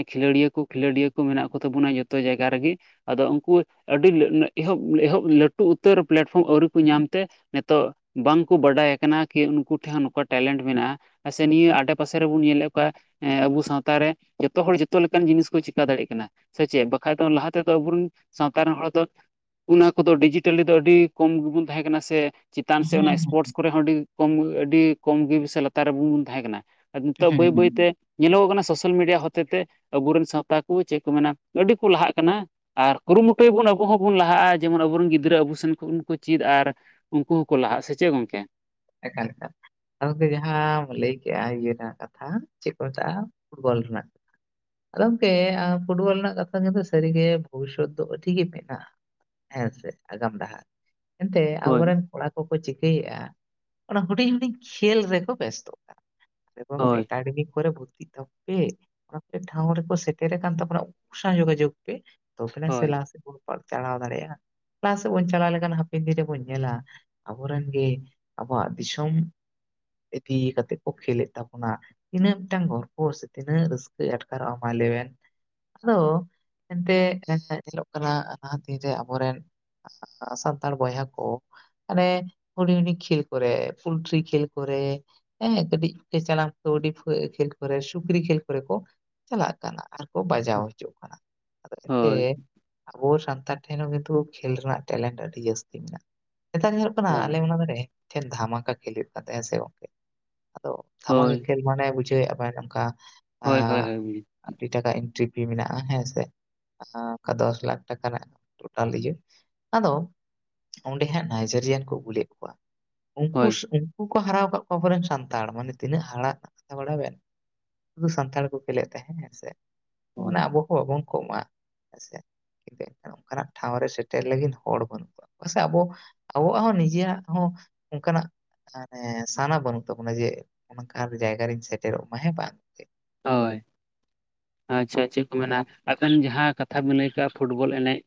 ᱮ ᱠᱷᱮᱞᱟᱹᱲᱤᱭᱟᱹ ᱠᱩ ᱠᱷᱮᱞᱤᱸᱰᱤᱭᱟᱹ ᱠᱩ ᱢᱮᱱᱟᱜ ᱠᱩ ᱛᱟᱹᱵᱩᱱᱟ ᱡᱚᱛᱚ ᱡᱟᱭᱜᱟ ᱨᱮᱜᱤ᱾ ᱟᱫᱚ ᱩᱱᱠᱩ ᱟᱹᱰᱤ ᱞᱟᱹ ᱮᱦᱚᱵ ᱮᱦᱚᱵ ᱞᱟᱹᱴᱩ ᱩᱛᱟᱹᱨ ᱯᱮᱞᱮᱴᱯᱷᱨᱚᱢ ᱟᱹᱣᱨᱤ ᱠᱩ ᱧᱟᱢ ᱛᱮᱼᱼ ᱛᱚ ᱵᱟᱝ ᱠᱩ ᱵᱟᱰᱟᱭᱟᱠᱟᱱᱟ ᱠᱤ ᱩᱱᱠᱩ ᱴᱷᱮᱱ ᱱᱚᱠᱟ ᱴᱮᱞᱮᱱᱴ ᱢᱮᱱᱟᱜᱼᱟ ᱟᱥᱮ ᱱᱤᱭᱟᱹ ᱟᱰᱮ ᱯᱟᱥᱮ ᱨᱮᱵᱩᱱ ᱧᱮᱞᱮᱫ ᱠᱚᱣᱟ ᱮᱸ ᱟᱹᱵᱩ ᱥᱟᱶᱛᱟ ᱨᱮ ᱡᱚᱛᱚ ᱦᱚᱲ ᱡᱚᱛᱚ ᱞᱮᱠᱟᱱ ᱡᱤᱱᱤᱥ ᱠᱩ ᱪᱮᱠᱟ ᱫᱟᱲᱮᱜ ᱠᱟᱱᱟ᱾ ᱥᱮ ᱪᱮᱫ ᱵᱟᱠᱷᱟᱡ ᱫᱚ ᱞᱟᱦᱟ ᱛᱮᱫᱚ ᱟᱵᱚᱨᱮᱱ ᱥᱟᱶᱛᱟ ᱨᱮᱱ ᱦᱚᱲ ᱫᱚ ᱚᱱᱟ ᱠᱚᱫᱚ ᱰᱤᱡᱤᱴᱟᱹᱞ ᱨᱮ ᱫᱚ ᱟᱹᱰᱤ ᱠᱚᱢ ᱜᱮᱵᱩᱱ ᱛᱟᱦᱮᱸ ᱠᱟᱱᱟ ᱥᱮ ᱪᱮᱛᱟᱱ ᱥᱮ ᱦᱮᱸ ᱚᱱᱟ ᱦᱮᱸ ᱥᱯᱳᱨᱴᱥ ᱠᱚᱨᱮ ᱦᱚᱸ ᱟᱹᱰᱤ ᱠᱚᱢ ᱜᱮ ᱟᱹᱰᱤ ᱠᱚᱢ ᱜᱮ ᱥᱮ ᱞᱟᱛᱟᱨ ᱨᱮᱵᱩᱱ ᱛᱟᱦᱮᱸ ᱠᱟᱱᱟ᱾ ᱟᱨ ᱱᱤᱛᱚᱜ ᱦᱮᱸ ᱵᱟᱹᱭ ᱦᱮᱸ ᱵᱟᱹᱭ ᱛᱮ ᱧᱮᱞᱚᱜᱚᱜ ᱠᱟᱱᱟ ᱥᱳᱥᱟᱞ ᱢᱤᱰᱤᱭᱟ ᱦᱚᱛᱮ ᱛᱮ ᱟᱹᱵᱩ ᱨᱮᱱ ᱥᱟᱶᱛᱟ ᱠᱩ ᱪᱮᱜ ᱠᱩ ᱢᱮᱱᱟ ᱟᱹᱰᱤ ᱠᱩ ᱞᱟᱦᱟᱜ ᱠᱟᱱᱟ ᱟᱨ ᱠᱩᱨᱩᱢᱩᱴᱩᱭ ᱵᱩᱱ ᱟᱹᱵᱩ ᱦᱚᱸᱵᱩᱱ ᱞᱟᱦᱟᱜᱼᱟ ᱡᱮᱢᱚᱱ ᱟᱹᱵᱩᱨᱮᱱ ᱜᱤᱫᱽᱨᱟᱹ ᱟᱹᱵᱩ ᱥᱮᱱ ᱠᱷᱩᱱ ᱠᱩ ᱪᱤᱫᱽ ᱟᱨ ᱩᱱᱠᱩ ᱦᱩᱸᱠᱩ ᱞᱟᱦᱟᱜ-ᱟ ᱥᱮ ᱪᱮᱜ ᱜᱚᱝᱠᱮ? ᱮᱠᱟᱞ ᱮᱠᱟᱞ ᱜᱚᱝᱠᱮ ᱡᱟᱦᱟᱸᱢ ᱞᱟᱹᱭ ᱠᱮᱜᱼᱟ ᱤᱭᱟᱹ ᱨᱮᱱᱟᱜ ᱠᱟᱛᱷᱟ ᱪᱮᱫ ᱠᱩ ᱢᱮᱛᱟᱜᱼᱟ ᱯᱷᱩᱴᱵᱚᱞ ᱨᱮᱱᱟᱜ ᱟᱫᱚ ᱜᱚᱢᱠᱮ ᱟᱢ ᱯᱷᱩᱴᱵᱚᱞ ᱨᱮᱱᱟᱜ ᱠᱟᱛᱷᱟ ᱠᱤᱱᱛᱩ ᱥᱟᱹᱨᱤᱜᱮ ᱵᱷᱩᱵᱤᱥᱚᱛ ᱫᱚ ᱟᱹᱰᱤ ᱜᱮ ᱢᱮᱱᱟᱜᱼᱟ᱾ ᱦᱮᱸ ᱥᱮ ᱟᱜᱟᱢ ᱰᱟᱦᱟᱨ ᱮᱱᱛᱮᱜ ᱟᱹᱵᱩ ᱦᱳᱭ ᱨᱮᱱ ᱠᱚᱲᱟ ᱠᱚᱠᱚ ᱪᱤᱠᱟᱹᱭᱮᱜᱼᱟ ᱚᱱᱟ ᱦᱩᱰᱤᱧ ᱦᱩᱰᱤᱧ ᱠᱷᱮᱞ ᱨᱮᱠᱚ ᱵᱮᱥᱛᱚᱜ ᱠᱟᱱᱟ ᱮᱵᱚᱝ ᱦᱳᱭ ᱮᱠᱟᱰᱮᱢᱤ ᱠᱚᱨᱮ ᱵᱷᱩᱨᱛᱤᱜ ᱛᱟᱵᱩ ᱯᱮ ᱚᱱᱟ ᱴᱷᱟᱶ ᱨᱮᱠᱚ ᱥᱮᱴᱮᱨᱟᱠᱟᱱ ᱛᱟᱵᱚᱱᱟ ᱩᱱᱠᱩ ᱥᱟᱶ ᱡᱚᱜᱟᱡᱳᱜᱽ ᱯᱮ ᱛᱚᱵᱮ ᱱᱟᱝ ᱥᱮ ᱦᱳᱭ ᱞᱟᱦᱟᱥᱮᱫ ᱵᱚᱱ ᱪᱟᱞᱟᱣ ᱫᱟᱲᱮᱭᱟᱜᱼᱟ ᱞᱟᱦᱟ ᱥᱮᱫ ᱵᱩᱱ ᱪᱟᱞᱟᱣ ᱞᱮᱠᱷᱟᱱ ᱦᱟᱯᱮᱱ ᱫᱤᱱ ᱨᱮᱵᱚᱱ ᱧᱮᱞᱟ ᱟᱹᱵᱩ ᱨᱮᱱ ᱜᱮ ᱟᱹᱵᱩᱣᱟᱜ ᱫᱤᱥᱚᱢ ᱤᱫᱤ ᱠᱟᱛᱮᱫ ᱠᱚ ᱠᱷᱮᱞᱮᱫ ᱛᱟᱵᱚᱱᱟ ᱛᱤᱱᱟᱹᱜ ᱢᱤᱫᱴᱟᱝ ᱜᱚᱨᱵᱚ ᱥᱮ ᱛᱤᱱᱟᱹᱜ ᱨᱟᱹᱥᱠᱟᱹ [unintelligible] ᱟᱴᱠᱟᱨᱚᱜ - ᱟ ᱢᱟ ᱞᱟᱹᱭᱵᱮᱱ ᱟᱫᱚ ᱮᱱᱛᱮᱜ ᱧᱮᱞᱚᱜ ᱠᱟᱱᱟ ᱞᱟᱦᱟ ᱫᱤᱱ ᱨᱮ ᱟᱵᱚᱨᱮᱱ ᱟᱜ-ᱟᱜ-ᱟᱜ ᱥᱟᱱᱛᱟᱲ ᱵᱚᱭᱦᱟ ᱠᱚ ᱢᱟᱱᱮ ᱦᱩᱰᱤᱧ ᱦᱩᱰᱤᱧ ᱠᱷᱮᱞ ᱠᱚᱨᱮ ᱯᱩᱞᱴᱨᱤ ᱠᱷᱮᱞ ᱠᱚᱨᱮ ᱦᱮᱸ ᱠᱟᱹᱴᱤᱡ ᱠᱮ ᱪᱟᱞᱟᱝ ᱠᱟᱹᱣᱰᱤ ᱠᱟᱹ ᱠᱷᱮᱞ ᱠᱚᱨᱮ ᱥᱩᱠᱨᱤ ᱠᱷᱮᱞ ᱠᱚᱨᱮ ᱠᱚ ᱪᱟᱞᱟᱜ ᱠᱟᱱᱟ ᱟᱨᱠᱚ ᱵᱟᱡᱟᱣ ᱦᱚᱪᱚᱜ ᱠᱟᱱᱟ ᱟᱫᱚ ᱮᱱᱛᱮ ᱦᱳᱭ ᱟᱵᱚ ᱥᱟᱱᱛᱟᱲ ᱴᱷᱮᱱ ᱦᱚᱸ ᱠᱤᱱᱛᱩ ᱠᱷᱮᱞ ᱨᱮᱱᱟᱜ ᱴᱮᱞᱮᱱᱴ ᱟᱹᱰᱤ ᱡᱟᱹᱥᱛᱤ ᱢᱮᱱᱟᱜᱼᱟ, ᱱᱮᱛᱟᱨ ᱫᱚ ᱠᱟᱱᱟ ᱟᱞᱮ ᱦᱳᱭ ᱚᱱᱟ ᱫᱷᱟᱨᱮ ᱴᱷᱮᱱ ᱫᱷᱟᱢᱟᱠᱟ ᱠᱷᱮᱞ ᱦᱩᱭᱩᱜ ᱠᱟᱱ ᱛᱟᱦᱮᱸ ᱦᱮᱸᱥᱮ ᱜᱚᱝᱠᱮ, ᱟᱫᱚ ᱫᱷᱟᱢᱟᱠᱟ ᱦᱳᱭ ᱠᱷᱮᱞ ᱢᱟᱱᱮ ᱵᱩᱡᱷᱟᱹᱣᱮᱫ ᱟᱵᱮᱱ ᱚᱝᱠᱟ ᱦᱳᱭ ᱦᱳᱭ ᱮᱸᱜ ᱦᱳᱭ ᱟᱹᱰᱤ ᱴᱟᱠᱟ ᱤᱱᱴᱨᱤ ᱯᱷᱤ ᱢᱮᱱᱟᱜᱼᱟ ᱦᱮᱸ ᱥᱮ ᱟᱸ ᱚᱠᱟ ᱫᱚᱥ ᱞᱟᱠᱷ ᱴᱟᱠᱟ ᱨᱮᱱᱟᱜ ᱴᱳᱴᱟᱞ ᱤᱭᱟᱹ ᱟᱫᱚ ᱚᱸᱰᱮ ᱦᱟᱸᱜ ᱱᱟᱭᱡᱮᱨᱤᱭᱟᱱ ᱠᱩ ᱩᱜᱩᱞᱮᱫ ᱠᱩᱣᱟ ᱩᱝᱠᱩᱥ ᱦᱳᱭ ᱩᱝ ᱩᱝᱠᱩ ᱠᱚ ᱦᱟᱨᱟᱣ ᱠᱟᱜ ᱠᱚᱣᱟ ᱟᱵᱚᱨᱮᱱ ᱥᱟᱱᱛᱟᱲ ᱢᱟᱱᱮ ᱛᱤᱱᱟᱹᱜ ᱦᱟᱲᱟᱜ ᱠᱟᱛᱷᱟ ᱵᱟᱰᱟᱭᱟ ᱵᱮᱱ ᱥᱩᱫᱩ ᱥᱟᱱᱛᱟᱲ ᱠᱩ ᱠᱷᱮᱞᱮᱫ ᱛᱟᱦᱮᱸ ᱦᱮᱸ ᱥᱮ ᱚᱱᱟ ᱟᱹᱵᱩ ᱦᱚᱸ ᱵᱟᱹᱵᱩᱱ ᱠᱚᱢᱟ ᱦᱮᱸ ᱥᱮ ᱮᱱᱛᱮᱜ ᱚᱱᱠᱟᱱᱟᱜ ᱴᱷᱟᱶ ᱨᱮ ᱥᱮᱴᱮᱨ ᱞᱟᱹᱜᱤᱫ ᱦᱚᱲ ᱵᱟᱹᱱᱩᱜ ᱠᱚᱣᱟ ᱯᱟᱥᱮᱜ ᱟᱵᱚ ᱟᱵᱚᱣᱟᱜ ᱦᱚᱸ ᱱᱤᱡᱮᱭᱟᱜ ᱦᱚᱸ ᱚᱝᱠᱟᱱᱟᱜ ᱢᱟᱱᱮ ᱥᱟᱱᱟ ᱵᱟᱹᱱᱩᱜ ᱛᱟᱵᱚᱱᱟ ᱡᱮ ᱚᱱᱟᱠᱟᱱ ᱡᱟᱭᱜᱟ ᱨᱮᱧ ᱥᱮᱴᱮᱨᱚᱜ ᱢᱟ ᱦᱮᱸ ᱵᱟᱝ ᱦᱳᱭ ᱟᱪᱪᱷᱟ ᱟᱨ ᱪᱮᱜ ᱠᱩ ᱢᱮᱱᱟ ᱟᱵᱮᱱ ᱡᱟᱦᱟᱸ ᱠᱟᱛᱷᱟ ᱵᱮᱱ ᱞᱟᱹᱭ ᱠᱟᱜᱼᱟ ᱯᱷᱩᱴᱵᱚᱞ ᱮᱱᱮᱡ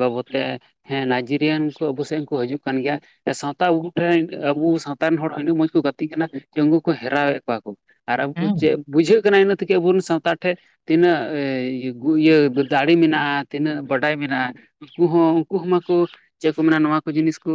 ᱵᱟᱵᱚᱛ ᱛᱮ ᱦᱮᱸ ᱱᱟᱭᱡᱮᱨᱤᱭᱟᱱ ᱠᱩ ᱟᱹᱵᱩ ᱥᱮᱜ ᱦᱚᱸ ᱠᱩ ᱦᱟᱹᱡᱩᱜ ᱠᱟᱱ ᱜᱮᱭᱟ ᱥᱟᱶᱛᱟ ᱟᱹᱵᱩ ᱴᱷᱮᱱ ᱟᱹᱵᱩ ᱥᱟᱶᱛᱟ ᱨᱮᱱ ᱦᱚᱲ ᱟᱹᱰᱤ ᱢᱚᱸᱡᱽ ᱠᱩ ᱜᱟᱹᱛᱤᱜ ᱠᱟᱱᱟ ᱡᱮ ᱩᱝᱠᱩ ᱠᱩ ᱦᱮᱨᱟᱣᱮᱫ ᱠᱚᱣᱟ ᱠᱩ ᱟᱨ ᱟᱹᱵᱩ ᱪᱮᱜ ᱵᱩᱡᱷᱟᱹᱜ ᱠᱟᱱᱟ ᱤᱱᱟᱹᱜ ᱛᱮᱜᱮ ᱟᱹᱵᱩ ᱨᱮᱱ ᱥᱟᱶᱛᱟᱲ ᱴᱷᱮᱡ ᱛᱤᱱᱟᱹᱜ ᱮᱭ ᱜᱩ ᱤᱭᱟᱹ ᱫᱟᱲᱮ ᱢᱮᱱᱟᱜᱼᱟ ᱛᱤᱱᱟᱹᱜ ᱵᱟᱰᱟᱭ ᱢᱮᱱᱟᱜᱼᱟ ᱩᱝᱠᱩ ᱦᱚᱸ ᱩᱝᱠᱩ ᱦᱚᱸ ᱢᱟᱠᱩ ᱪᱮᱜ ᱠᱩ ᱢᱮᱱᱟ ᱱᱚᱣᱟ ᱠᱩ ᱡᱤᱱᱤᱥ ᱠᱩ